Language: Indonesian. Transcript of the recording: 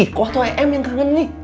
ikhwah atau em yang kangenin nih